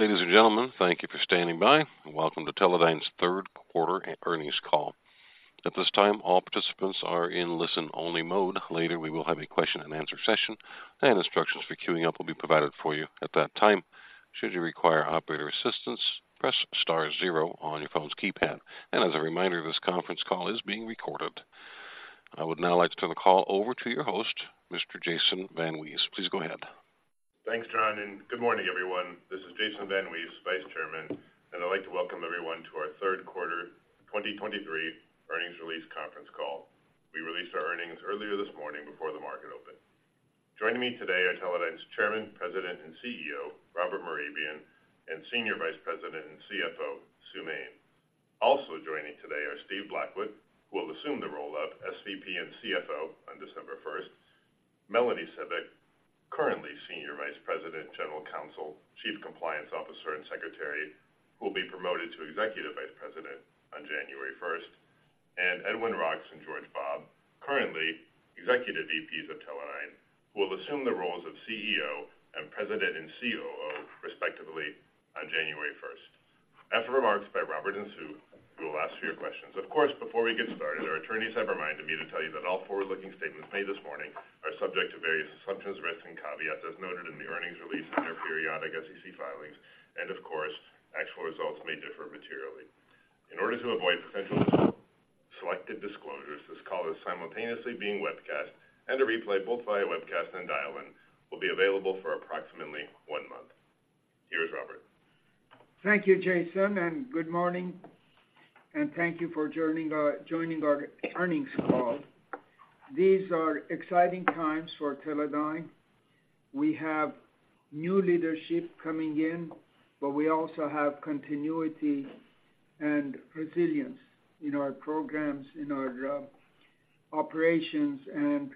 Ladies and gentlemen, thank you for standing by, and welcome to Teledyne's third quarter earnings call. At this time, all participants are in listen-only mode. Later, we will have a question-and-answer session, and instructions for queuing up will be provided for you at that time. Should you require operator assistance, press star zero on your phone's keypad. And as a reminder, this conference call is being recorded. I would now like to turn the call over to your host, Mr. Jason VanWees. Please go ahead. Thanks, John, and good morning, everyone. This is Jason VanWees, Vice Chairman, and I'd like to welcome everyone to our third quarter 2023 earnings release conference call. We released our earnings earlier this morning before the market opened. Joining me today are Teledyne's Chairman, President, and CEO, Robert Mehrabian, and Senior Vice President and CFO, Sue Main. Also joining today are Stephen Blackwood, who will assume the role of SVP and CFO on December 1st. Melanie Cibik, currently Senior Vice President, General Counsel, Chief Compliance Officer, and Secretary, who will be promoted to Executive Vice President on January 1st. And Edwin Roks and George Bobb, currently Executive VPs of Teledyne, who will assume the roles of CEO and President and COO, respectively, on January 1st. After remarks by Robert and Sue, we will ask for your questions. Of course, before we get started, our attorneys have reminded me to tell you that all forward-looking statements made this morning are subject to various assumptions, risks, and caveats, as noted in the earnings release and their periodic SEC filings. Of course, actual results may differ materially. In order to avoid potential selected disclosures, this call is simultaneously being webcast, and a replay, both via webcast and dial-in, will be available for approximately one month. Here's Robert. Thank you, Jason, and good morning, and thank you for joining our, joining our earnings call. These are exciting times for Teledyne. We have new leadership coming in, but we also have continuity and resilience in our programs, in our operations, and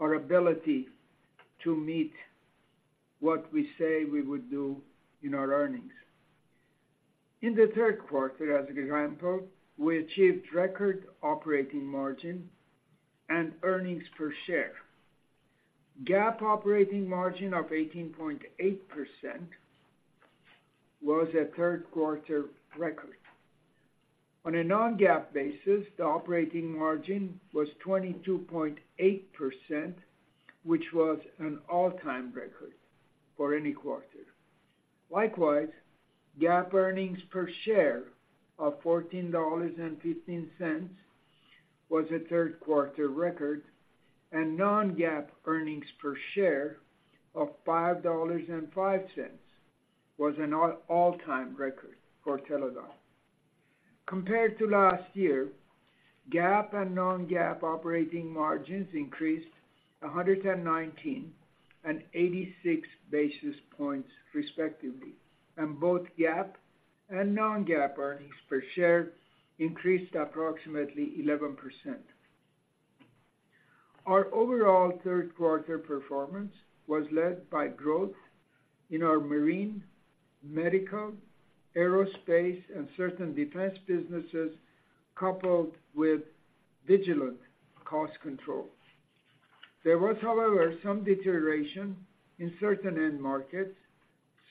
our ability to meet what we say we would do in our earnings. In the third quarter, as an example, we achieved record operating margin and earnings per share. GAAP operating margin of 18.8% was a third quarter record. On a non-GAAP basis, the operating margin was 22.8%, which was an all-time record for any quarter. Likewise, GAAP earnings per share of $14.15 was a third quarter record, and non-GAAP earnings per share of $5.05 was an all-time record for Teledyne. Compared to last year, GAAP and non-GAAP operating margins increased 119 and 86 basis points, respectively, and both GAAP and non-GAAP earnings per share increased approximately 11%. Our overall third quarter performance was led by growth in our marine, medical, aerospace, and certain defense businesses, coupled with vigilant cost control. There was, however, some deterioration in certain end markets,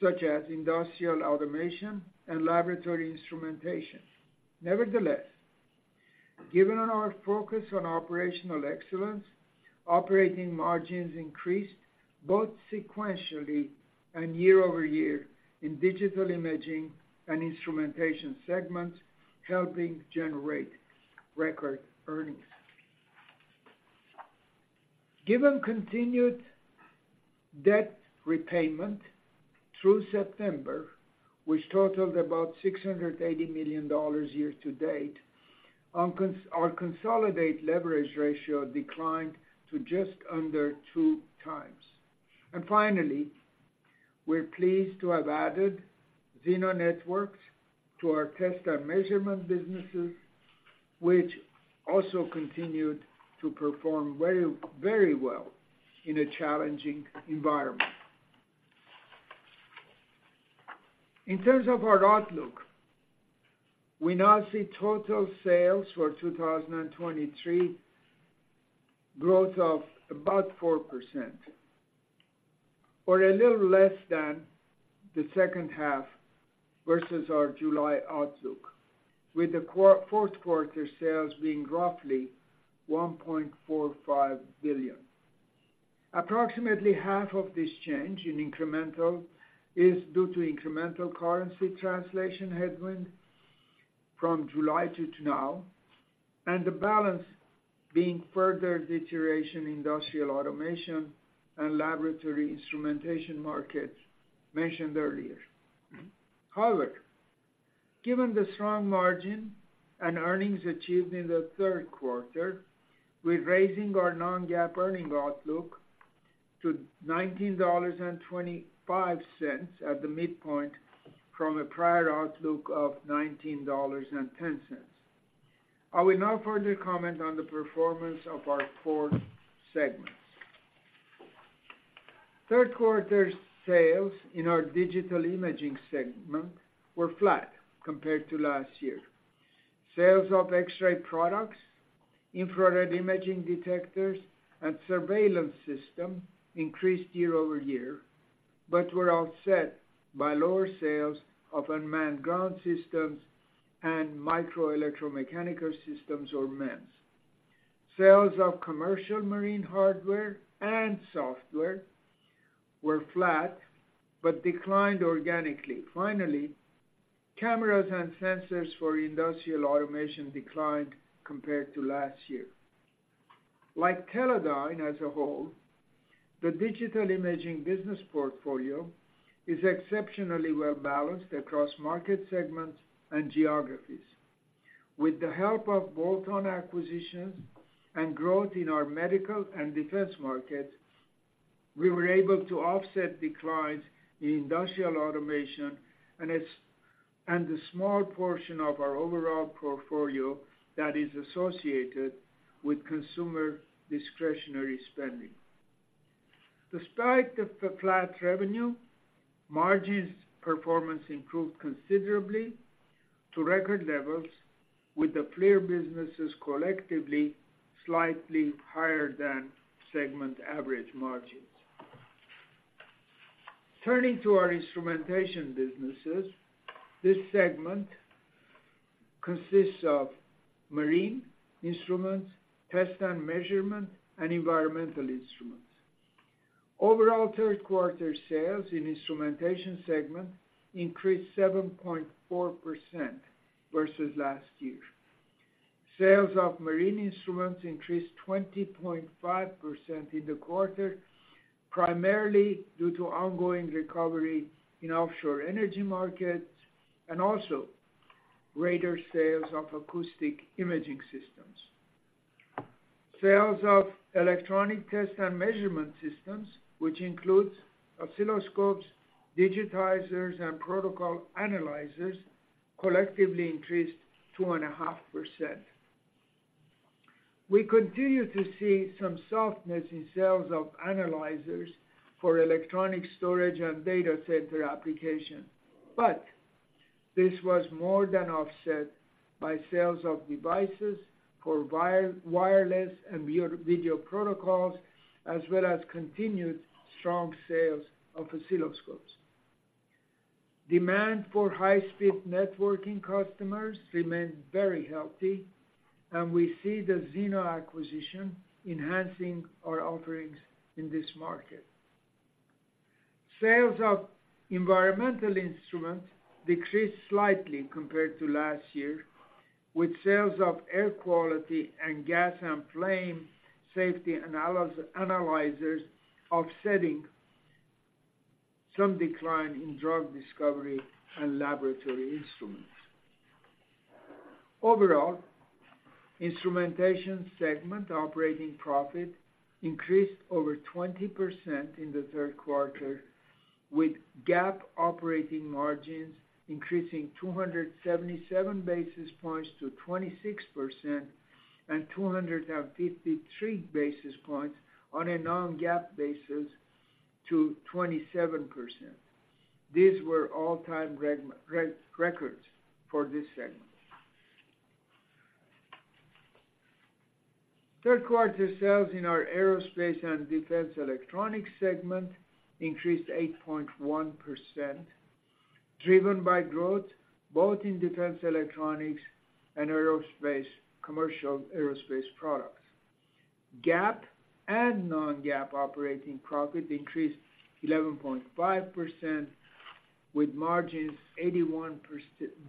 such as industrial automation and laboratory instrumentation. Nevertheless, given our focus on operational excellence, operating margins increased both sequentially and YoY in digital imaging and instrumentation segments, helping generate record earnings. Given continued debt repayment through September, which totaled about $680 million year to date, our consolidated leverage ratio declined to just under two times. Finally, we're pleased to have added Xena Networks to our test and measurement businesses, which also continued to perform very, very well in a challenging environment. In terms of our outlook, we now see total sales for 2023 growth of about 4%, or a little less than the second half versus our July outlook, with the fourth quarter sales being roughly $1.45 billion. Approximately half of this change in incremental is due to incremental currency translation headwind from July to now, and the balance being further deterioration in industrial automation and laboratory instrumentation markets mentioned earlier. However, given the strong margin and earnings achieved in the third quarter, we're raising our non-GAAP earning outlook to $19.25 at the midpoint from a prior outlook of $19.10. I will now further comment on the performance of our core segments. Third quarter sales in our digital imaging segment were flat compared to last year. Sales of X-ray products, infrared imaging detectors, and surveillance system increased YoY, but were offset by lower sales of unmanned ground systems and microelectromechanical systems, or MEMS. Sales of commercial marine hardware and software were flat, but declined organically. Finally, cameras and sensors for industrial automation declined compared to last year. Like Teledyne as a whole, the digital imaging business portfolio is exceptionally well-balanced across market segments and geographies. With the help of bolt-on acquisitions and growth in our medical and defense markets, we were able to offset declines in industrial automation and it's and the small portion of our overall portfolio that is associated with consumer discretionary spending. Despite the flat revenue, margins performance improved considerably to record levels, with the FLIR businesses collectively slightly higher than segment average margins. Turning to our instrumentation businesses, this segment consists of marine instruments, test and measurement, and environmental instruments. Overall, third quarter sales in instrumentation segment increased 7.4% versus last year. Sales of marine instruments increased 20.5% in the quarter, primarily due to ongoing recovery in offshore energy markets and also greater sales of acoustic imaging systems. Sales of electronic test and measurement systems, which includes oscilloscopes, digitizers, and protocol analyzers, collectively increased 2.5%. We continue to see some softness in sales of analyzers for electronic storage and data center application, but this was more than offset by sales of devices for wired-wireless and video protocols, as well as continued strong sales of oscilloscopes. Demand for high-speed networking customers remained very healthy, and we see the Xena acquisition enhancing our offerings in this market. Sales of environmental instruments decreased slightly compared to last year, with sales of air quality and gas and flame safety analyzers offsetting some decline in drug discovery and laboratory instruments. Overall, instrumentation segment operating profit increased over 20% in the third quarter, with GAAP operating margins increasing 277 basis points to 26% and 253 basis points on a non-GAAP basis to 27%. These were all-time records for this segment. Third quarter sales in our aerospace and defense electronics segment increased 8.1%, driven by growth both in defense electronics and aerospace, commercial aerospace products. GAAP and non-GAAP operating profit increased 11.5%, with margins 81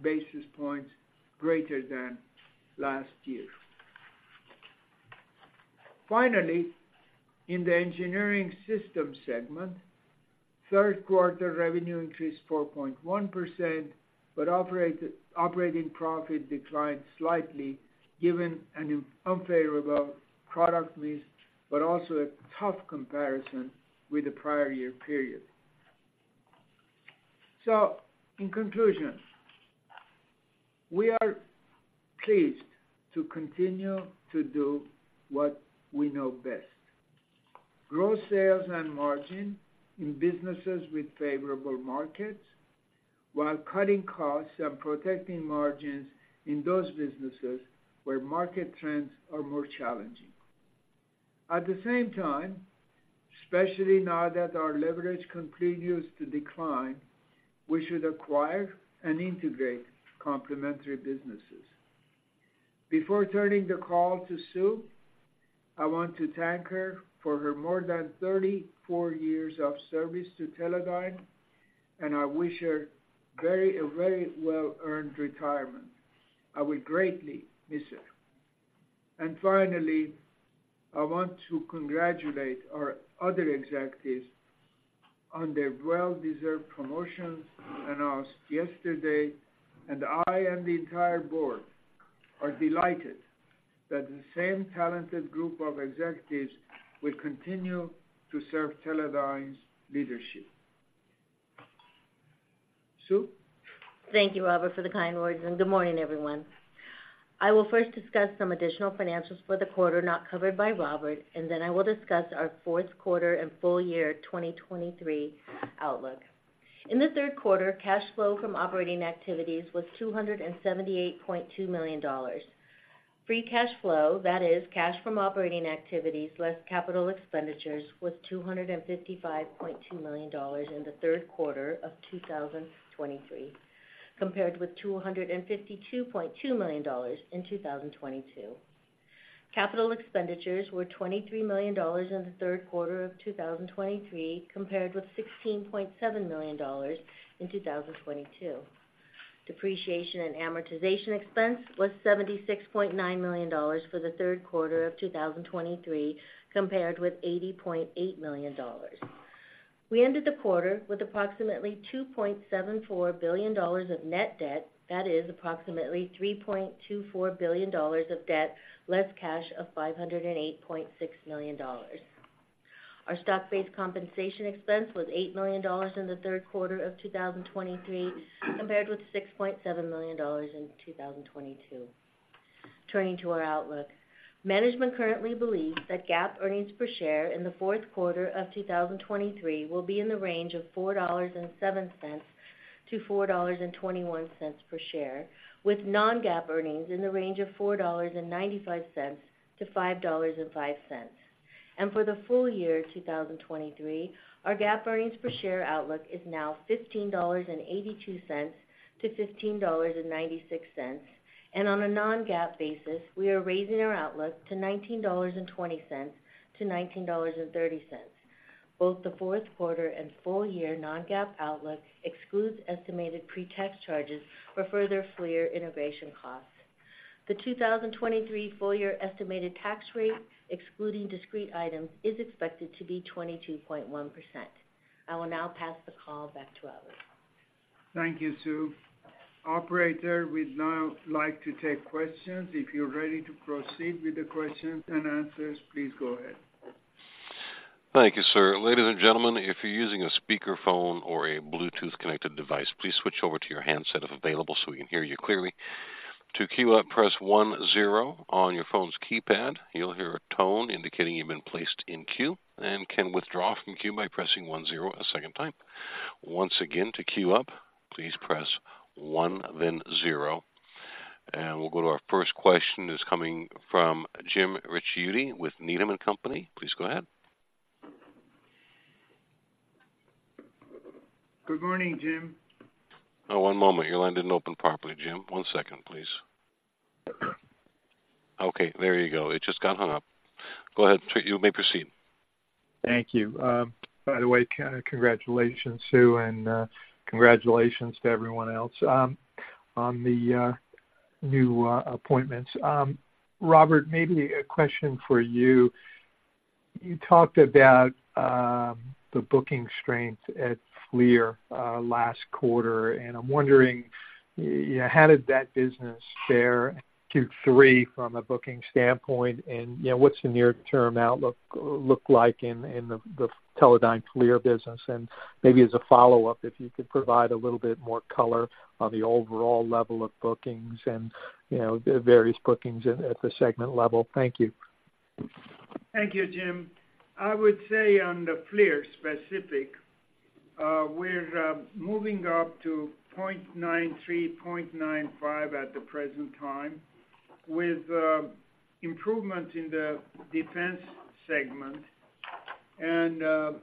basis points greater than last year. Finally, in the engineered systems segment, third quarter revenue increased 4.1%, but operating profit declined slightly, given an unfavorable product mix, but also a tough comparison with the prior year period. So in conclusion, we are pleased to continue to do what we know best, grow sales and margin in businesses with favorable markets, while cutting costs and protecting margins in those businesses where market trends are more challenging. At the same time, especially now that our leverage continues to decline, we should acquire and integrate complementary businesses. Before turning the call to Sue, I want to thank her for her more than 34 years of service to Teledyne, and I wish her a very well-earned retirement. I will greatly miss her. And finally, I want to congratulate our other executives on their well-deserved promotions announced yesterday, and I and the entire board are delighted that the same talented group of executives will continue to serve Teledyne's leadership. Sue? Thank you, Robert, for the kind words, and good morning, everyone. I will first discuss some additional financials for the quarter not covered by Robert, and then I will discuss our fourth quarter and full year 2023 outlook. In the third quarter, cash flow from operating activities was $278.2 million. Free cash flow, that is cash from operating activities, less capital expenditures, was $255.2 million in the third quarter of 2023, compared with $252.2 million in 2022. Capital expenditures were $23 million in the third quarter of 2023, compared with $16.7 million in 2022. Depreciation and amortization expense was $76.9 million for the third quarter of 2023, compared with $80.8 million. We ended the quarter with approximately $2.74 billion of net debt, that is approximately $3.24 billion of debt, less cash of $508.6 million. Our stock-based compensation expense was $8 million in the third quarter of 2023, compared with $6.7 million in 2022. Turning to our outlook. Management currently believes that GAAP earnings per share in the fourth quarter of 2023 will be in the range of $4.07-$4.21 per share, with non-GAAP earnings in the range of $4.95-$5.05. For the full year 2023, our GAAP earnings per share outlook is now $15.82-$15.96, and on a non-GAAP basis, we are raising our outlook to $19.20-$19.30. Both the fourth quarter and full year non-GAAP outlook excludes estimated pre-tax charges for further FLIR integration costs. The 2023 full year estimated tax rate, excluding discrete items, is expected to be 22.1%. I will now pass the call back to Robert. Thank you, Sue. Operator, we'd now like to take questions. If you're ready to proceed with the questions and answers, please go ahead. Thank you, sir. Ladies and gentlemen, if you're using a speakerphone or a Bluetooth-connected device, please switch over to your handset, if available, so we can hear you clearly. To queue up, press one zero on your phone's keypad. You'll hear a tone indicating you've been placed in queue, and can withdraw from queue by pressing one zero a second time. Once again, to queue up, please press one, then zero. We'll go to our first question, is coming from Jim Ricchiuti with Needham and Company. Please go ahead. Good morning, Jim. Oh, one moment. Your line didn't open properly, Jim. One second, please. Okay, there you go. It just got hung up. Go ahead, you may proceed. Thank you. By the way, kinda congratulations, Sue, and, congratulations to everyone else, on the new appointments. Robert, maybe a question for you. You talked about the booking strength at FLIR last quarter, and I'm wondering, you know, how did that business fare in Q3 from a booking standpoint? And, you know, what's the near-term outlook look like in the Teledyne FLIR business? And maybe as a follow-up, if you could provide a little bit more color on the overall level of bookings and, you know, the various bookings at the segment level. Thank you. Thank you, Jim. I would say on the FLIR specific, we're moving up to 0.93-0.95 at the present time, with improvement in the defense segment.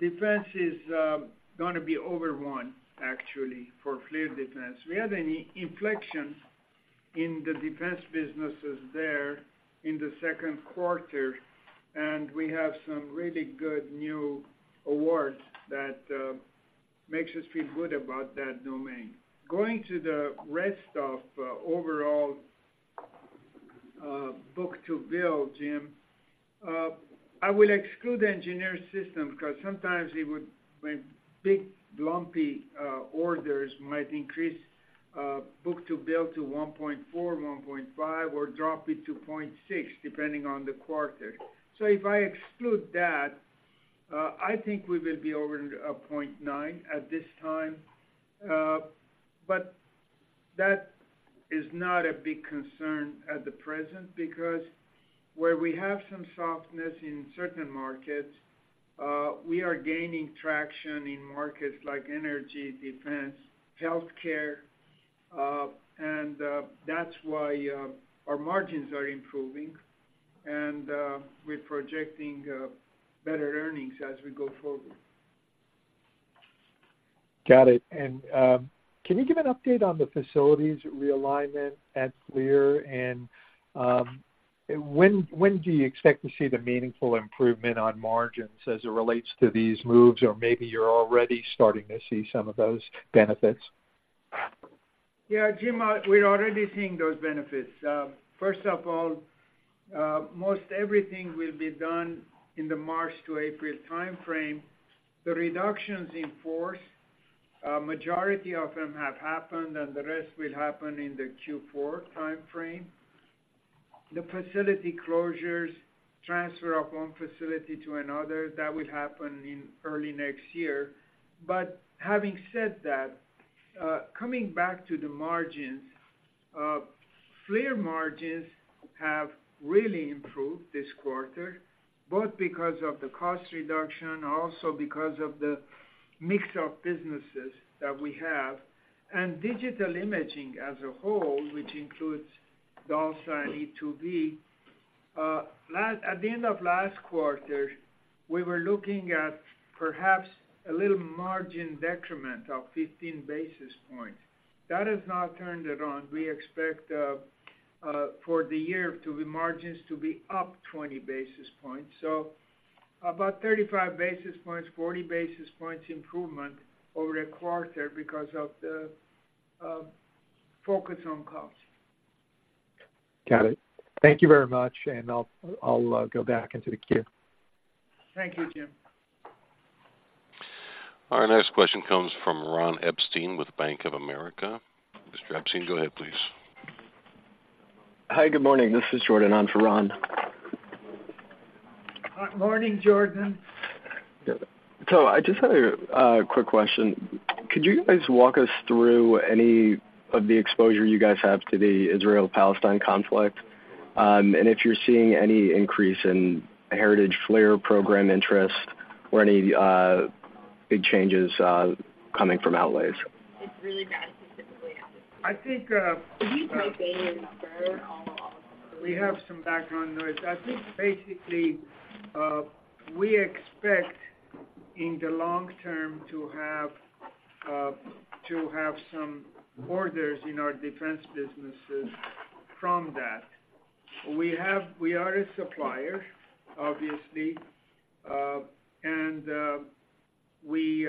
Defense is gonna be over 1, actually, for FLIR Defense. We had an inflection in the defense businesses there in the second quarter, and we have some really good new awards that makes us feel good about that domain. Going to the rest of overall book-to-bill, Jim, I will exclude engineered systems, because sometimes it would, when big, lumpy orders might increase book-to-bill to 1.4-1.5, or drop it to 0.6, depending on the quarter. So if I exclude that, I think we will be over 0.9 at this time. But that is not a big concern at the present, because where we have some softness in certain markets, we are gaining traction in markets like energy, defense, healthcare, and that's why our margins are improving, and we're projecting better earnings as we go forward. Got it. And, can you give an update on the facilities realignment at FLIR? And, when do you expect to see the meaningful improvement on margins as it relates to these moves, or maybe you're already starting to see some of those benefits? Yeah, Jim, we're already seeing those benefits. First of all, most everything will be done in the March to April timeframe. The reductions in force, majority of them have happened, and the rest will happen in the Q4 timeframe. The facility closures, transfer of one facility to another, that will happen in early next year. But having said that, coming back to the margins, FLIR margins have really improved this quarter, both because of the cost reduction, also because of the mix of businesses that we have. And digital imaging as a whole, which includes DALSA and e2v, last, at the end of last quarter, we were looking at perhaps a little margin decrement of 15 basis points. That has now turned it on. We expect, for the year to be, margins to be up 20 basis points. So about 35 basis points, 40 basis points improvement over the quarter because of the focus on cost. Got it. Thank you very much, and I'll go back into the queue. Thank you, Jim. Our next question comes from Ron Epstein with Bank of America. Mr. Epstein, go ahead, please. Hi, good morning. This is Jordan on for Ron. Good morning, Jordan. So I just had a quick question. Could you guys walk us through any of the exposure you guys have to the Israel-Palestine conflict? And if you're seeing any increase in heritage FLIR program interest or any big changes coming from outlays? I think we have some background noise. I think basically, we expect in the long term to have to have some orders in our defense businesses from that. We are a supplier, obviously, and we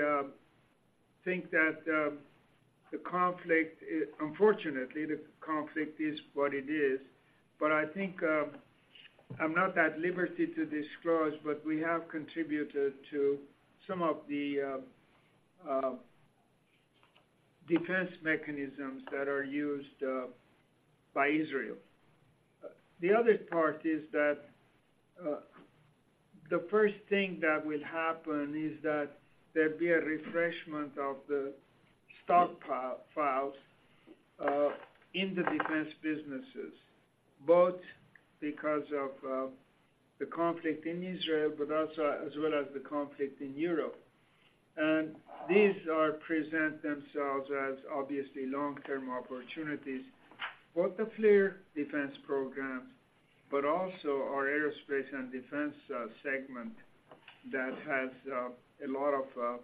think that the conflict, unfortunately, the conflict is what it is. But I think, I'm not at liberty to disclose, but we have contributed to some of the defense mechanisms that are used by Israel. The other part is that the first thing that will happen is that there'll be a refreshment of the stockpiles in the defense businesses, both because of the conflict in Israel, but also as well as the conflict in Europe. These present themselves as obviously long-term opportunities, both the FLIR defense programs, but also our aerospace and defense segment, that has a lot of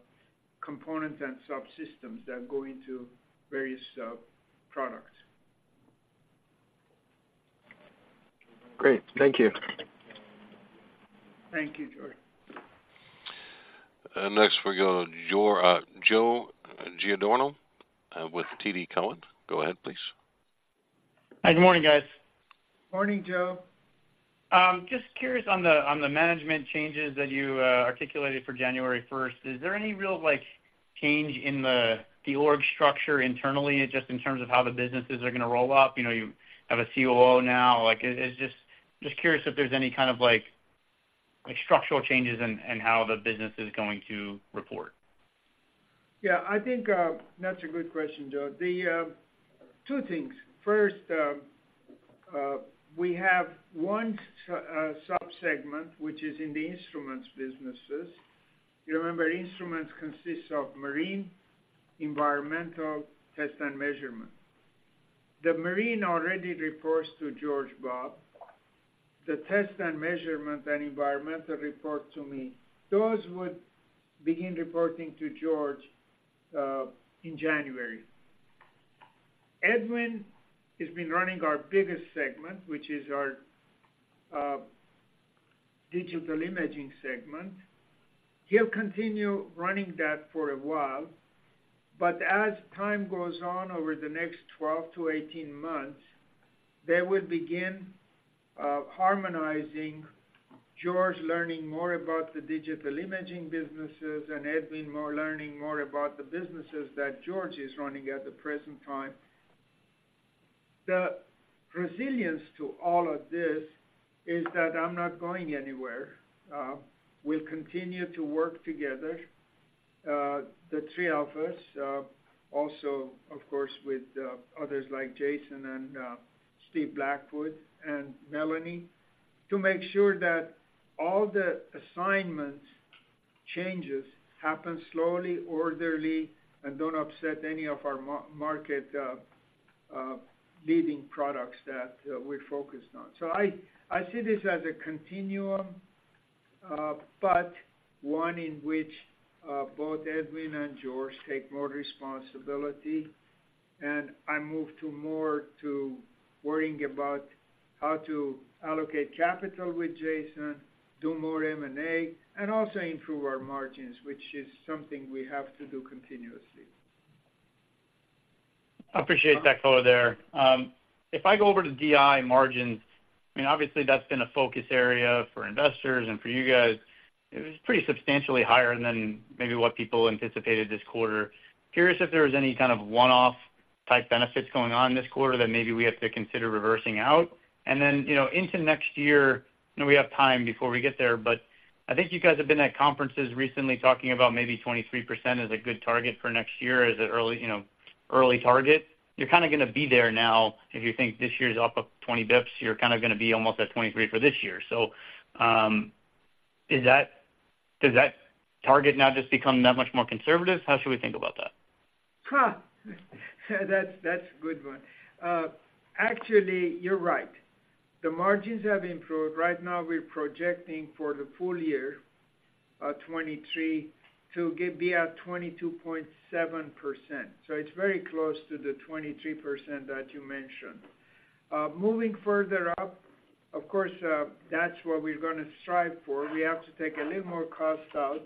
components and subsystems that go into various products. Great. Thank you. Thank you, Jordan. Next, we go to Joe Giordano, with TD Cowen. Go ahead, please. Hi, good morning, guys. Morning, Joe. Just curious on the management changes that you articulated for January first, is there any real, like, change in the org structure internally, just in terms of how the businesses are going to roll up? You know, you have a COO now. Like, is just curious if there's any kind of like, structural changes in how the business is going to report? Yeah, I think that's a good question, Joe. The two things. First, we have one subsegment, which is in the instruments businesses. You remember, instruments consists of marine, environmental, test and measurement. The marine already reports to George Bobb. The test and measurement and environmental report to me. Those would begin reporting to George in January. Edwin has been running our biggest segment, which is our digital imaging segment. He'll continue running that for a while, but as time goes on, over the next 12 to 18 months, they will begin harmonizing George learning more about the digital imaging businesses and Edwin learning more about the businesses that George is running at the present time. The resilience to all of this is that I'm not going anywhere. We'll continue to work together, the three of us, also, of course, with others like Jason and Stephen Blackwood and Melanie, to make sure that all the assignment changes happen slowly, orderly, and don't upset any of our market leading products that we're focused on. So I see this as a continuum, but one in which both Edwin and George take more responsibility, and I move to more to worrying about how to allocate capital with Jason, do more M&A, and also improve our margins, which is something we have to do continuously. I appreciate that color there. If I go over to DI margins, I mean, obviously, that's been a focus area for investors and for you guys. It was pretty substantially higher than maybe what people anticipated this quarter. Curious if there was any kind of one-off type benefits going on this quarter that maybe we have to consider reversing out. And then, you know, into next year, I know we have time before we get there, but I think you guys have been at conferences recently talking about maybe 23% is a good target for next year as an early, you know, early target. You're kind of gonna be there now, if you think this year's up 20 basis points, you're kind of gonna be almost at 23% for this year. Is that, does that target now just become that much more conservative? How should we think about that? Ha! That's, that's a good one. Actually, you're right. The margins have improved. Right now, we're projecting for the full year 2023 to be at 22.7%. So it's very close to the 23% that you mentioned. Moving further up, of course, that's what we're gonna strive for. We have to take a little more cost out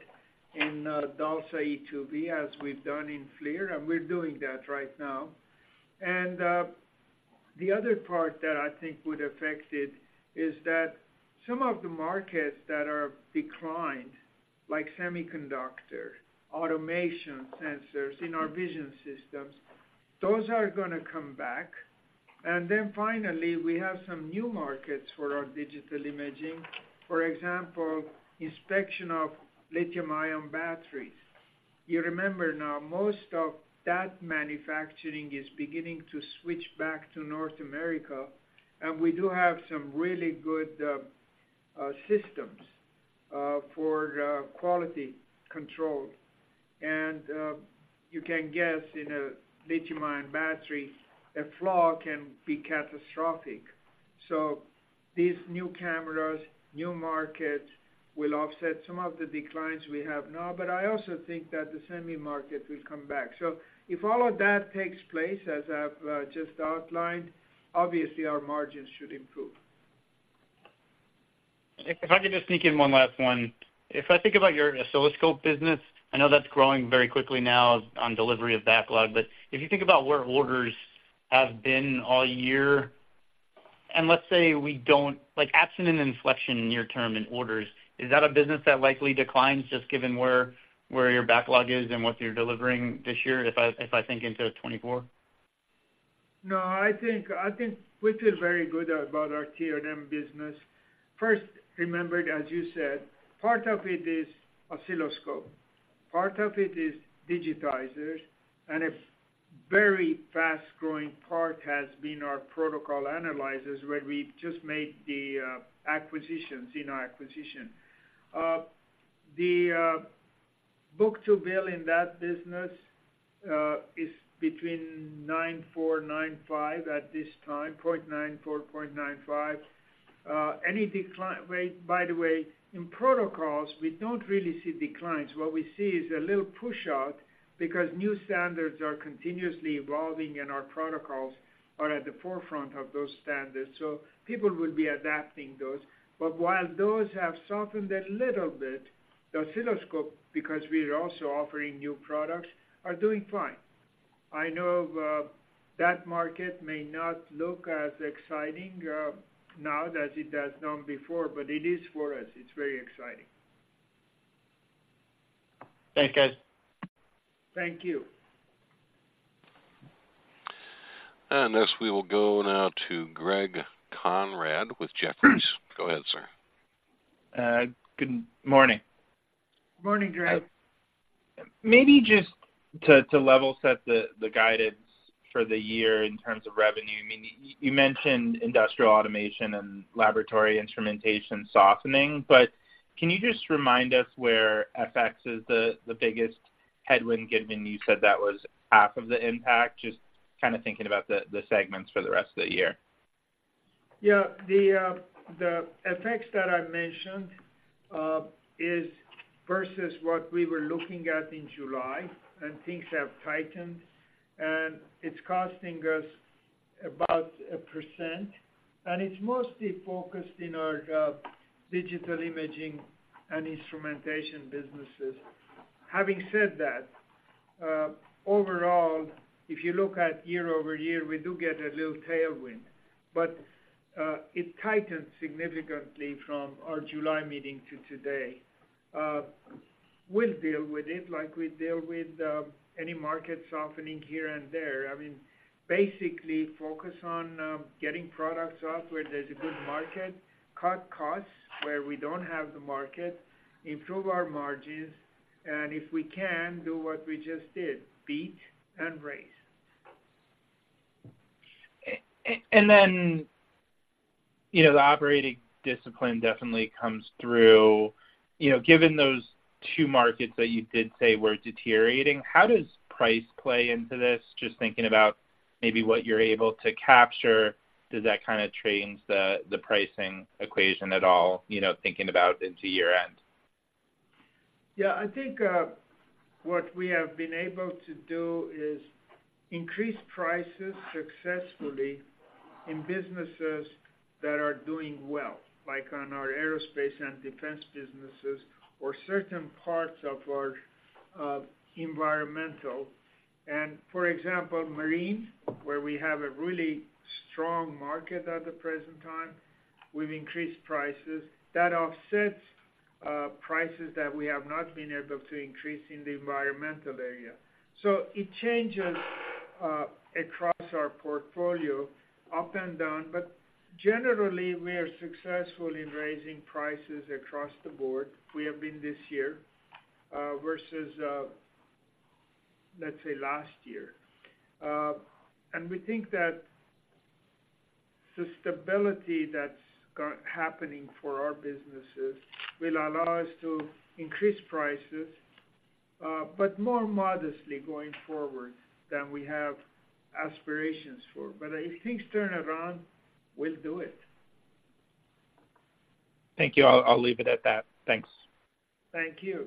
in DALSA e2v, as we've done in FLIR, and we're doing that right now. And the other part that I think would affect it is that some of the markets that are declined, like semiconductor, automation, sensors in our vision systems, those are gonna come back. And then finally, we have some new markets for our digital imaging. For example, inspection of lithium-ion batteries. You remember now, most of that manufacturing is beginning to switch back to North America, and we do have some really good systems for quality control. You can guess in a lithium-ion battery, a flaw can be catastrophic. These new cameras, new markets, will offset some of the declines we have now, but I also think that the semi market will come back. If all of that takes place, as I've just outlined, obviously our margins should improve. If I could just sneak in one last one. If I think about your oscilloscope business, I know that's growing very quickly now on delivery of backlog. But if you think about where orders have been all year, and let's say we don't—like, absent an inflection near term in orders, is that a business that likely declines, just given where your backlog is and what you're delivering this year, if I think into 2024? No, I think, I think we feel very good about our T&M business. First, remember, as you said, part of it is oscilloscope, part of it is digitizers, and a very fast-growing part has been our protocol analyzers, where we just made the acquisitions in our acquisition. The book-to-bill in that business is between 0.94-0.95 at this time, 0.94-0.95. Any decline. Wait, by the way, in protocols, we don't really see declines. What we see is a little push out because new standards are continuously evolving, and our protocols are at the forefront of those standards, so people would be adapting those. But while those have softened a little bit, the oscilloscope, because we are also offering new products, are doing fine. I know, that market may not look as exciting, now as it has done before, but it is for us. It's very exciting. Thanks, guys. Thank you. Next, we will go now to Greg Konrad with Jefferies. Go ahead, sir. Good morning. Morning, Greg. Maybe just to level set the guidance for the year in terms of revenue. I mean, you mentioned industrial automation and laboratory instrumentation softening, but can you just remind us where FX is the biggest headwind, given you said that was half of the impact? Just kind of thinking about the segments for the rest of the year. Yeah, the, the effects that I mentioned, is versus what we were looking at in July, and things have tightened, and it's costing us about 1%, and it's mostly focused in our, digital imaging and instrumentation businesses. Having said that, overall, if you look at YoY, we do get a little tailwind, but, it tightened significantly from our July meeting to today. We'll deal with it like we deal with, any market softening here and there. I mean, basically focus on, getting products out where there's a good market, cut costs where we don't have the market, improve our margins, and if we can, do what we just did, beat and raise. And then, you know, the operating discipline definitely comes through. You know, given those two markets that you did say were deteriorating, how does price play into this? Just thinking about maybe what you're able to capture, does that kind of change the pricing equation at all, you know, thinking about into year-end? Yeah, I think what we have been able to do is increase prices successfully in businesses that are doing well, like on our aerospace and defense businesses or certain parts of our environmental. And for example, marine, where we have a really strong market at the present time, we've increased prices. That offsets prices that we have not been able to increase in the environmental area. So it changes across our portfolio, up and down, but generally, we are successful in raising prices across the board. We have been this year versus, let's say, last year. And we think that the stability that's got happening for our businesses will allow us to increase prices, but more modestly going forward than we have aspirations for. But if things turn around, we'll do it. Thank you. I'll leave it at that. Thanks. Thank you.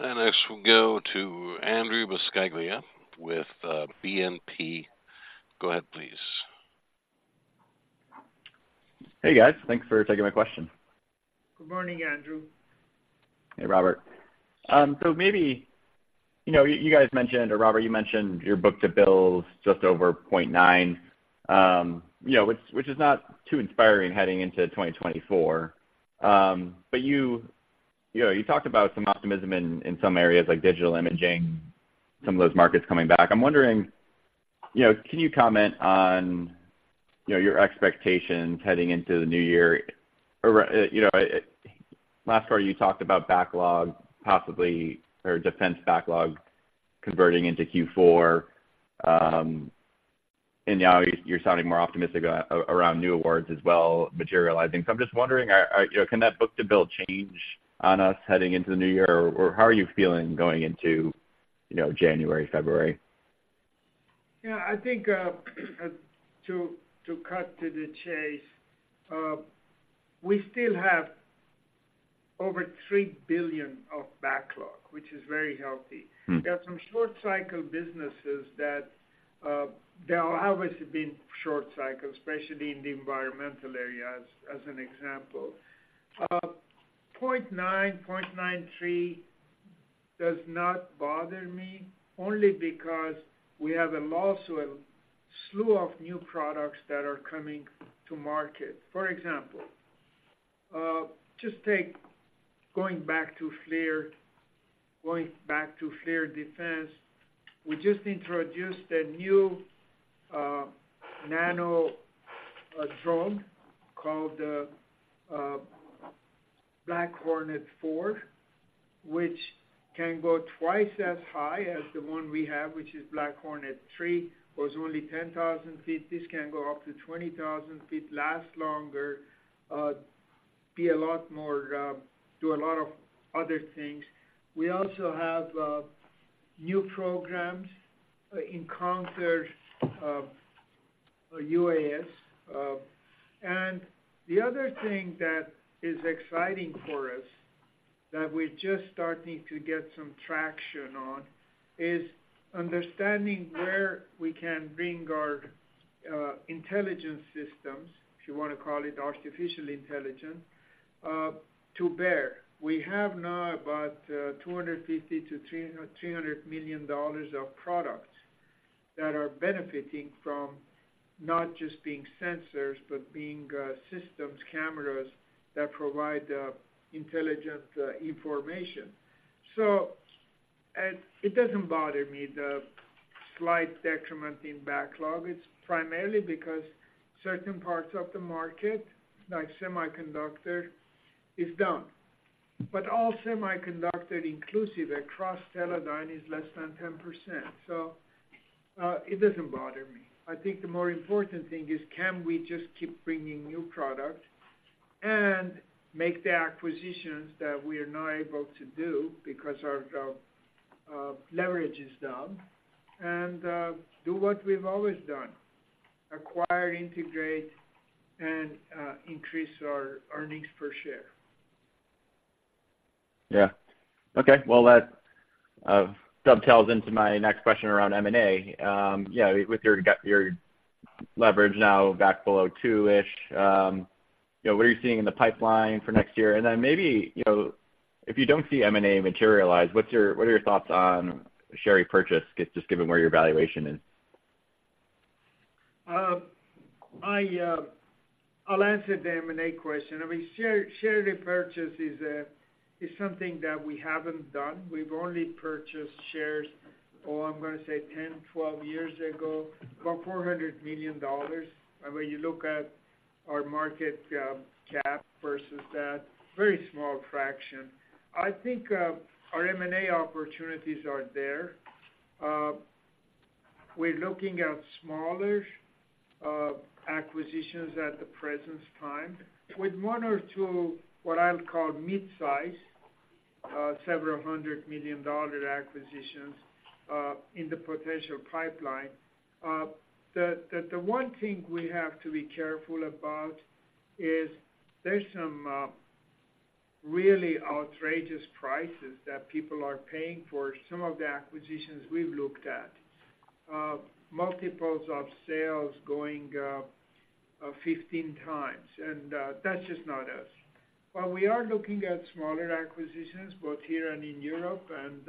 Next, we'll go to Andrew Buscaglia with BNP. Go ahead, please. Hey, guys. Thanks for taking my question. Good morning, Andrew. Hey, Robert. So maybe, you know, you guys mentioned, or Robert, you mentioned your book-to-bill is just over 0.9, you know, which is not too inspiring heading into 2024. But you know, you talked about some optimism in some areas like digital imaging, some of those markets coming back. I'm wondering, you know, can you comment on your expectations heading into the new year? Or, you know, last quarter, you talked about backlog possibly, or defense backlog converting into Q4, and now you're sounding more optimistic around new awards as well, materializing. So I'm just wondering, you know, can that book-to-bill change on us heading into the new year? Or, how are you feeling going into, you know, January, February? Yeah, I think to cut to the chase, we still have over $3 billion of backlog, which is very healthy. Mm-hmm. There are some short cycle businesses that, there have always been short cycles, especially in the environmental area, as, as an example. Point nine, point nine three does not bother me, only because we have a also a slew of new products that are coming to market. For example, just take going back to FLIR, going back to FLIR Defense, we just introduced a new, nano, drone called the, Black Hornet 4, which can go twice as high as the one we have, which is Black Hornet 3, goes only 10,000 feet. This can go up to 20,000 feet, lasts longer, be a lot more, do a lot of other things. We also have, new programs in counter, UAS. And the other thing that is exciting for us, that we're just starting to get some traction on, is understanding where we can bring our intelligence systems, if you want to call it artificial intelligence, to bear. We have now about $250 million-$300 million of products that are benefiting from not just being sensors, but being systems, cameras that provide intelligent information. So it doesn't bother me, the slight decrement in backlog. It's primarily because certain parts of the market, like semiconductor, is down. But all semiconductor inclusive across Teledyne is less than 10%, so it doesn't bother me. I think the more important thing is, can we just keep bringing new product and make the acquisitions that we are not able to do because our leverage is down, and do what we've always done: acquire, integrate, and increase our earnings per share. Yeah. Okay, well, that, dovetails into my next question around M&A. Yeah, with your leverage now back below two-ish, you know, what are you seeing in the pipeline for next year? And then maybe, you know, if you don't see M&A materialize, what are your thoughts on share repurchase, just given where your valuation is? I'll answer the M&A question. I mean, share repurchase is something that we haven't done. We've only purchased shares, oh, I'm going to say 10-12 years ago, about $400 million. And when you look at our market cap versus that, very small fraction. I think our M&A opportunities are there. We're looking at smaller acquisitions at the present time, with one or two, what I'll call mid-size, several hundred million-dollar acquisitions in the potential pipeline. The one thing we have to be careful about is there's some really outrageous prices that people are paying for some of the acquisitions we've looked at. Multiples of sales going 15x, and that's just not us. But we are looking at smaller acquisitions, both here and in Europe, and,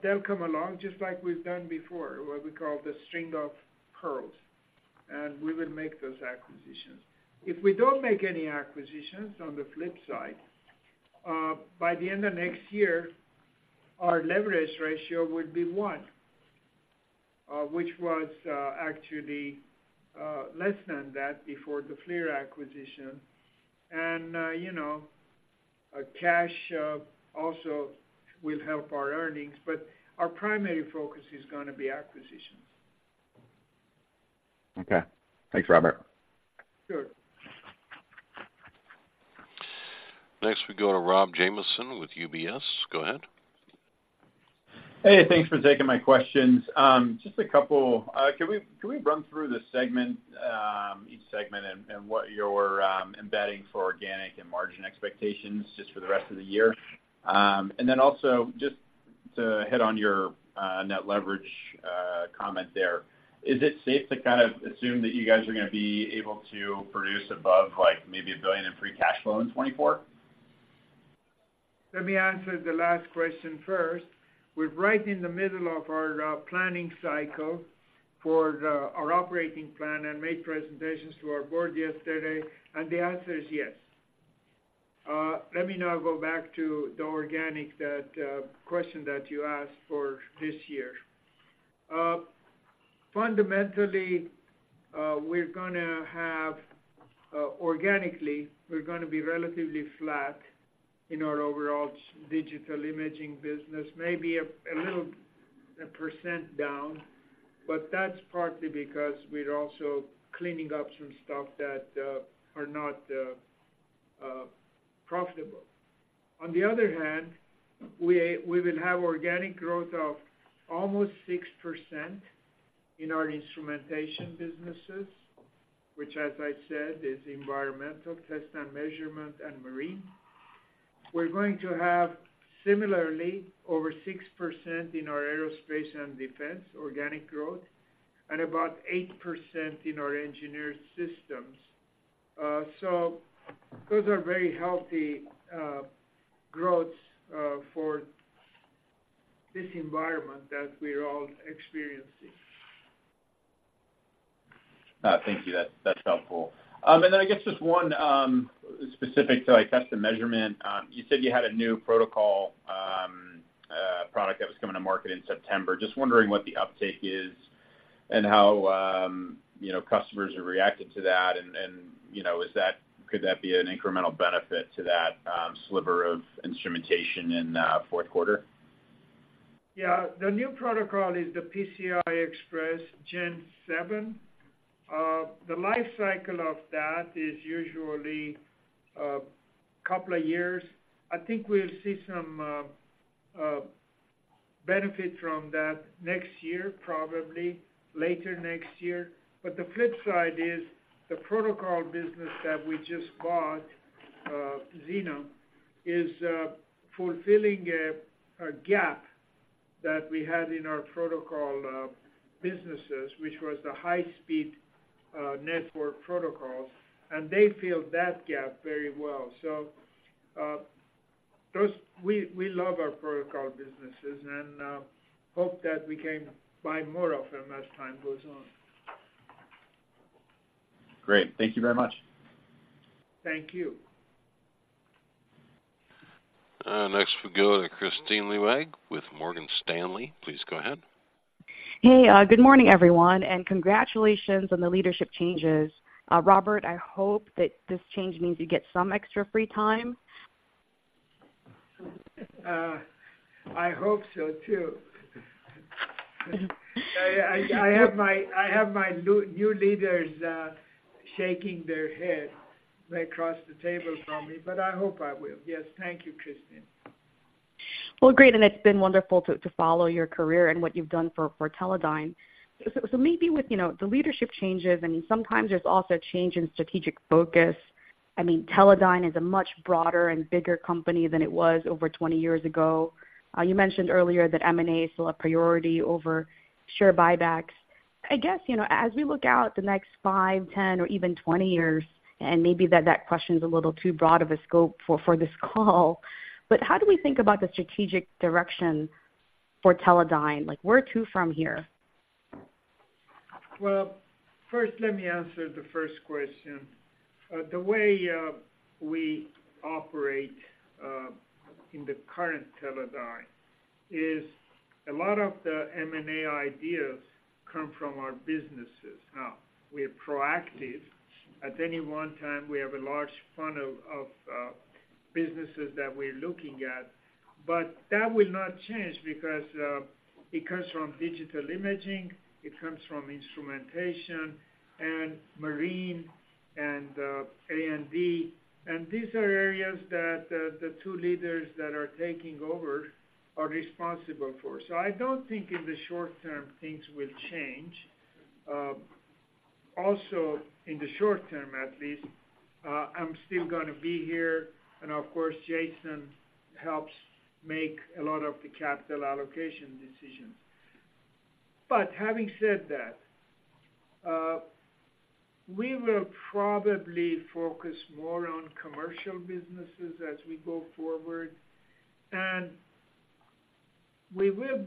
they'll come along just like we've done before, what we call the String of Pearls, and we will make those acquisitions. If we don't make any acquisitions, on the flip side, by the end of next year, our leverage ratio would be one, which was, actually, less than that before the FLIR acquisition. And, you know, cash also will help our earnings, but our primary focus is going to be acquisitions. Okay. Thanks, Robert. Sure. Next, we go to Rob Jamieson with UBS. Go ahead. Hey, thanks for taking my questions. Just a couple. Can we, can we run through the segment, each segment and, and what you're, embedding for organic and margin expectations just for the rest of the year? And then also, just to hit on your, net leverage, comment there, is it safe to kind of assume that you guys are going to be able to produce above, like, maybe $1 billion in free cash flow in 2024? Let me answer the last question first. We're right in the middle of our planning cycle for our operating plan, and made presentations to our board yesterday, and the answer is yes. Let me now go back to the organic question that you asked for this year. Fundamentally, we're gonna have organically, we're going to be relatively flat in our overall digital imaging business. Maybe a little 1% down, but that's partly because we're also cleaning up some stuff that are not profitable. On the other hand, we will have organic growth of almost 6% in our instrumentation businesses, which, as I said, is environmental, test and measurement, and marine. We're going to have similarly, over 6% in our aerospace and defense organic growth and about 8% in our engineered systems. So those are very healthy growths for this environment that we're all experiencing. Thank you. That's helpful. And then I guess just one specific to, like, test and measurement. You said you had a new protocol product that was coming to market in September. Just wondering what the uptake is and how, you know, customers are reacting to that, and, you know, is that- could that be an incremental benefit to that sliver of instrumentation in fourth quarter? Yeah, the new protocol is the PCI Express Gen 7. The life cycle of that is usually a couple of years. I think we'll see some benefit from that next year, probably later next year. But the flip side is the protocol business that we just bought, Xena, is fulfilling a gap that we had in our protocol businesses, which was the high-speed network protocol, and they filled that gap very well. So, those... We love our protocol businesses and hope that we can buy more of them as time goes on. Great. Thank you very much. Thank you. Next we go to Kristine Liwag with Morgan Stanley. Please go ahead. Hey, good morning, everyone, and congratulations on the leadership changes. Robert, I hope that this change means you get some extra free time. I hope so, too. I have my new leaders shaking their head right across the table from me, but I hope I will. Yes, thank you, kristine. Well, great, and it's been wonderful to follow your career and what you've done for Teledyne. So maybe with, you know, the leadership changes, I mean, sometimes there's also a change in strategic focus. I mean, Teledyne is a much broader and bigger company than it was over 20 years ago. You mentioned earlier that M&A is still a priority over share buybacks. I guess, you know, as we look out the next five, 10 or even 20 years, and maybe that question is a little too broad of a scope for this call, but how do we think about the strategic direction for Teledyne? Like, where to from here? Well, first, let me answer the first question. The way we operate in the current Teledyne is a lot of the M&A ideas come from our businesses. Now, we're proactive. At any one time, we have a large funnel of businesses that we're looking at, but that will not change because it comes from digital imaging, it comes from instrumentation and marine and A&D. And these are areas that the two leaders that are taking over are responsible for. So I don't think in the short term things will change. Also, in the short term at least, I'm still gonna be here, and of course, Jason helps make a lot of the capital allocation decisions. But having said that, we will probably focus more on commercial businesses as we go forward, and we will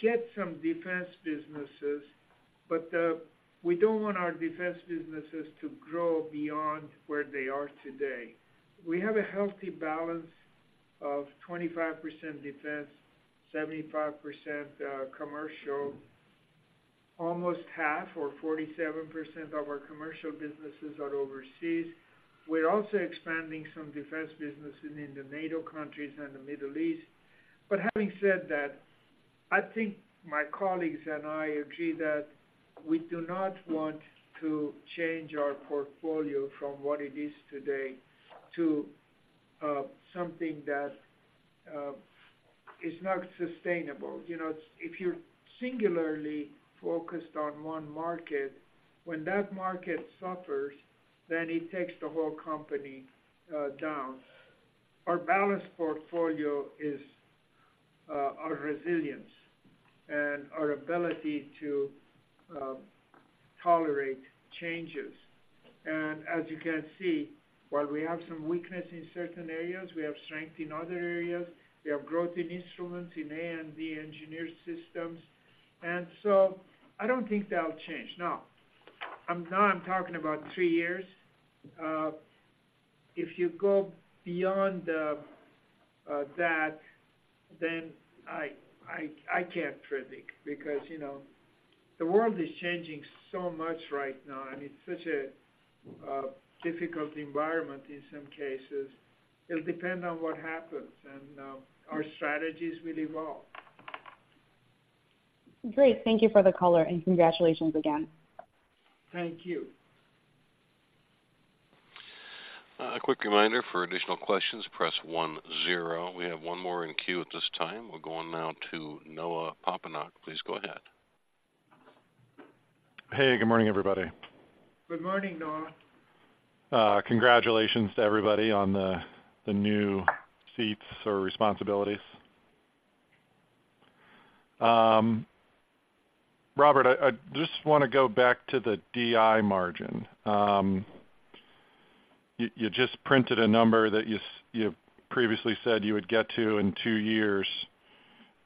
get some defense businesses, but, we don't want our defense businesses to grow beyond where they are today. We have a healthy balance of 25% defense, 75%, commercial.... almost half or 47% of our commercial businesses are overseas. We're also expanding some defense business in the NATO countries and the Middle East. But having said that, I think my colleagues and I agree that we do not want to change our portfolio from what it is today to, something that, is not sustainable. You know, if you're singularly focused on one market, when that market suffers, then it takes the whole company, down. Our balanced portfolio is, our resilience and our ability to, tolerate changes. As you can see, while we have some weakness in certain areas, we have strength in other areas. We have growth in instruments, in A&D engineered systems, and so I don't think that'll change. Now, I'm talking about three years. If you go beyond that, then I can't predict because, you know, the world is changing so much right now, and it's such a difficult environment in some cases. It'll depend on what happens, and our strategies will evolve. Great. Thank you for the color, and congratulations again. Thank you. A quick reminder for additional questions, press 10. We have one more in queue at this time. We're going now to Noah Poponak. Please go ahead. Hey, good morning, everybody. Good morning, Noah. Congratulations to everybody on the new seats or responsibilities. Robert, I just wanna go back to the DI margin. You just printed a number that you previously said you would get to in two years.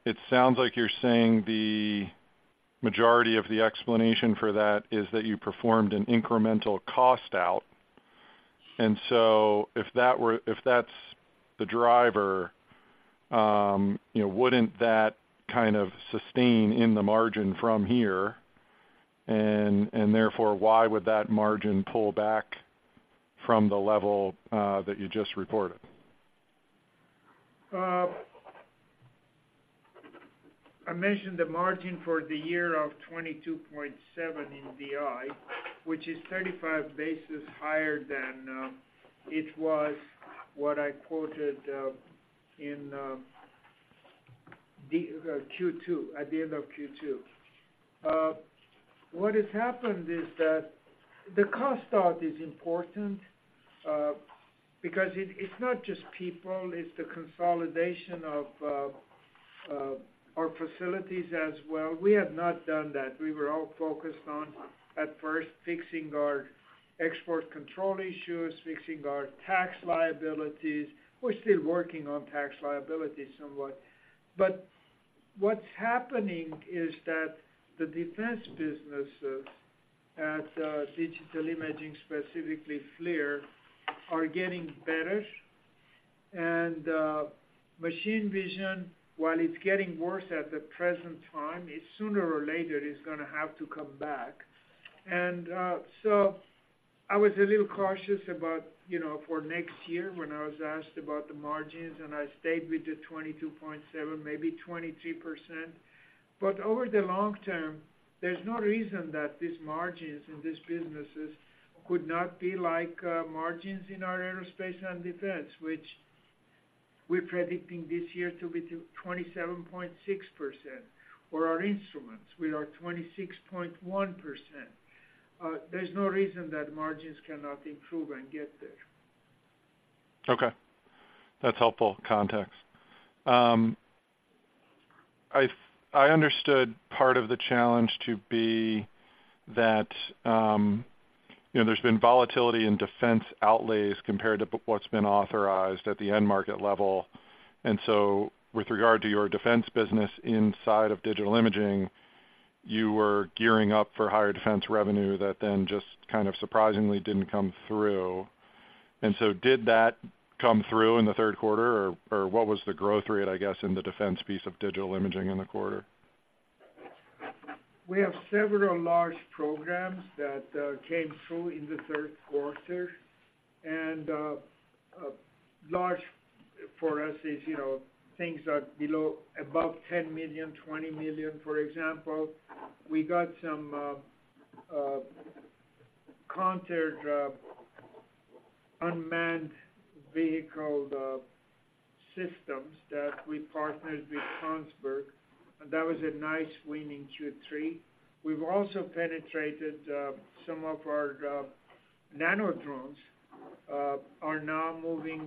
It sounds like you're saying the majority of the explanation for that is that you performed an incremental cost out. And so if that were, if that's the driver, you know, wouldn't that kind of sustain in the margin from here? And therefore, why would that margin pull back from the level that you just reported? I mentioned the margin for the year of 22.7% in DI, which is 35 basis higher than it was what I quoted in Q2, at the end of Q2. What has happened is that the cost out is important because it, it's not just people, it's the consolidation of our facilities as well. We have not done that. We were all focused on, at first, fixing our export control issues, fixing our tax liabilities. We're still working on tax liabilities somewhat. But what's happening is that the defense businesses at Digital Imaging, specifically FLIR, are getting better. And machine vision, while it's getting worse at the present time, it sooner or later is gonna have to come back. I was a little cautious about, you know, for next year when I was asked about the margins, and I stayed with the 22.7, maybe 23%. But over the long term, there's no reason that these margins in these businesses could not be like, margins in our aerospace and defense, which we're predicting this year to be to 27.6%, or our instruments, we are 26.1%. There's no reason that margins cannot improve and get there. Okay. That's helpful context. I understood part of the challenge to be that, you know, there's been volatility in defense outlays compared to what's been authorized at the end market level. And so with regard to your defense business inside of Digital Imaging, you were gearing up for higher defense revenue that then just kind of surprisingly didn't come through. And so did that come through in the third quarter, or what was the growth rate, I guess, in the defense piece of Digital Imaging in the quarter? We have several large programs that came through in the third quarter. Large for us is, you know, things above $10 million, $20 million, for example. We got some counter unmanned vehicle systems that we partnered with Hanwha, and that was a nice win in Q3. We've also penetrated some of our nano drones are now moving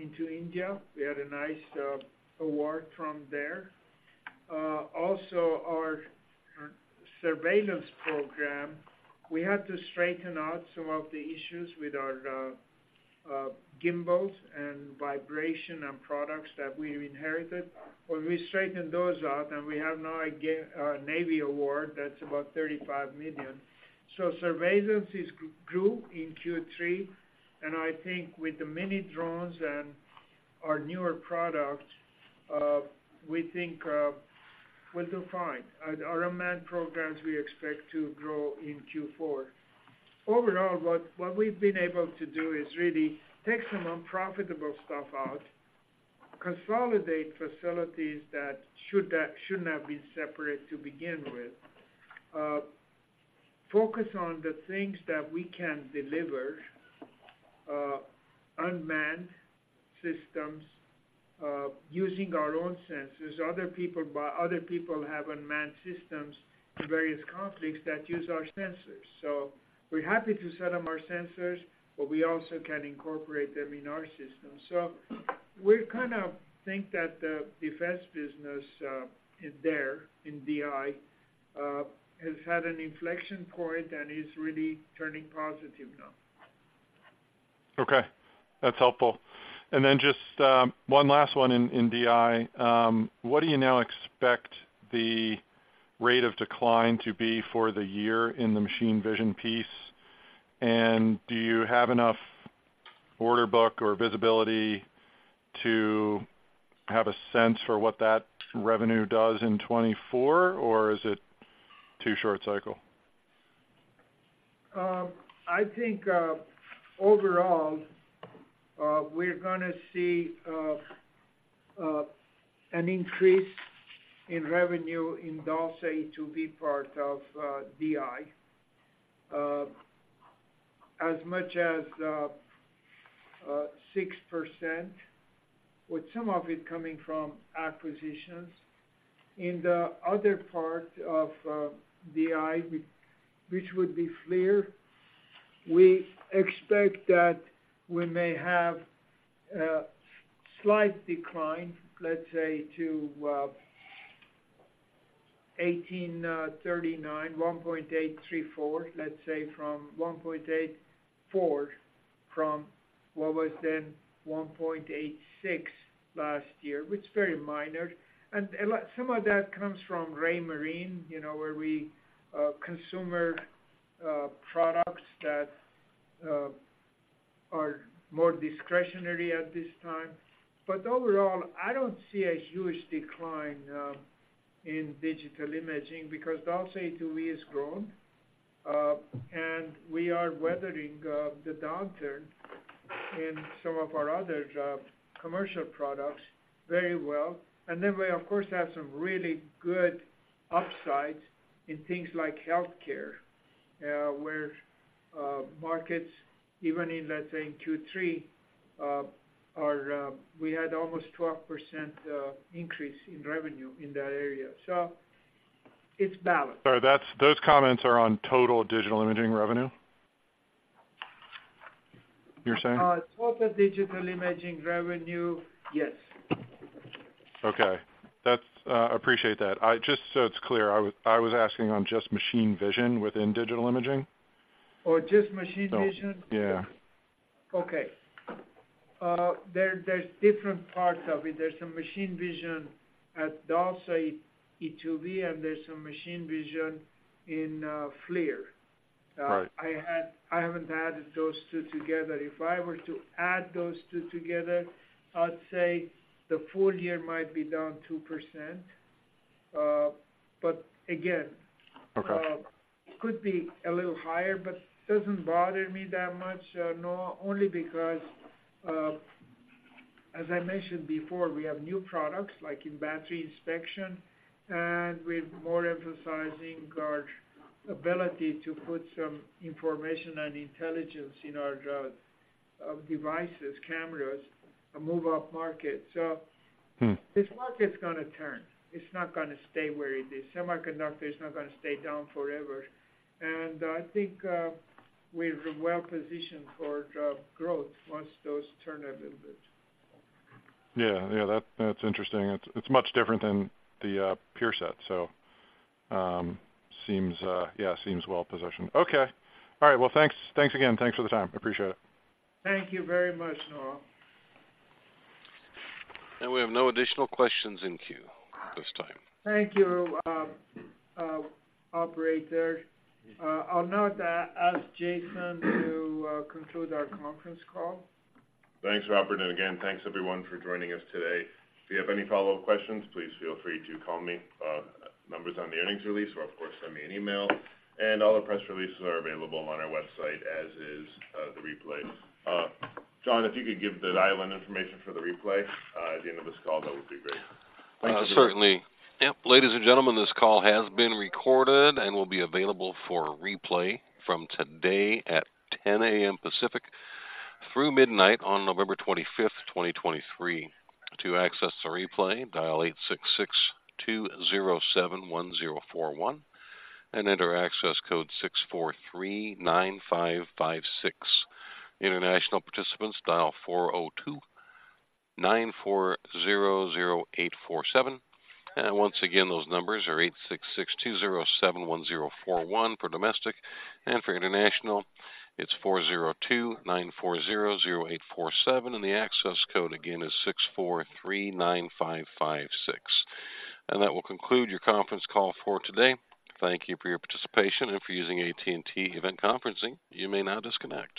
into India. We had a nice award from there. Also, our surveillance program, we had to straighten out some of the issues with our gimbals and vibration and products that we inherited. When we straightened those out, and we have now a Navy award, that's about $35 million. So surveillance grew in Q3, and I think with the mini drones and our newer products, we think we'll do fine. Our unmanned programs, we expect to grow in Q4. Overall, what we've been able to do is really take some unprofitable stuff out, consolidate facilities that shouldn't have been separate to begin with. Focus on the things that we can deliver, unmanned systems, using our own sensors. Other people have unmanned systems in various conflicts that use our sensors. So we're happy to sell them our sensors, but we also can incorporate them in our system. So we kind of think that the defense business, is there, in DI, has had an inflection point and is really turning positive now. Okay, that's helpful. And then just one last one in DI. What do you now expect the rate of decline to be for the year in the machine vision piece? And do you have enough order book or visibility to have a sense for what that revenue does in 2024, or is it too short cycle? I think, overall, we're gonna see an increase in revenue in DALSA e2v part of DI as much as 6%, with some of it coming from acquisitions. In the other part of DI, which would be FLIR, we expect that we may have a slight decline, let's say, to $1.839, $1.834. Let's say from $1.84, from what was then $1.86 last year, which is very minor. Some of that comes from Raymarine, you know, where we consumer products that are more discretionary at this time. But overall, I don't see a huge decline in digital imaging because DALSA e2v has grown and we are weathering the downturn in some of our other job commercial products very well. Then we, of course, have some really good upsides in things like healthcare, where markets, even in, let's say, Q3, are. We had almost 12% increase in revenue in that area, so it's balanced. Sorry, that's-- those comments are on total digital imaging revenue, you're saying? Total digital imaging revenue, yes. Okay. I appreciate that. Just so it's clear, I was asking on just machine vision within digital imaging. Oh, just machine vision? Yeah. Okay. There, there's different parts of it. There's some machine vision at DALSA e2v, and there's some machine vision in FLIR. Right. I haven't added those two together. If I were to add those two together, I'd say the full year might be down 2%. But again- Okay. Could be a little higher, but doesn't bother me that much, no, only because, as I mentioned before, we have new products, like in battery inspection, and we're more emphasizing our ability to put some information and intelligence in our devices, cameras, and move upmarket. Mm. So this market's gonna turn. It's not gonna stay where it is. Semiconductor is not gonna stay down forever, and I think, we're well-positioned for job growth once those turn a little bit. Yeah, yeah, that's, that's interesting. It's, it's much different than the peer set, so seems, yeah, seems well-positioned. Okay. All right, well, thanks, thanks again. Thanks for the time. I appreciate it. Thank you very much, Noah. We have no additional questions in queue at this time. Thank you, operator. I'll now to ask Jason to conclude our conference call. Thanks, Robert, and again, thanks, everyone, for joining us today. If you have any follow-up questions, please feel free to call me. Numbers on the earnings release, or of course, send me an email. And all the press releases are available on our website, as is, the replays. John, if you could give the dial-in information for the replay, at the end of this call, that would be great. Certainly. Yep. Ladies and gentlemen, this call has been recorded and will be available for replay from today at 10 A.M. Pacific through midnight on November 25, 2023. To access the replay, dial 866-207-1041 and enter access code 6439556. International participants, dial 402-940-0847. And once again, those numbers are 866-207-1041 for domestic, and for international, it's 402-940-0847, and the access code again is 6439556. And that will conclude your conference call for today. Thank you for your participation, and for using AT&T event conferencing, you may now disconnect.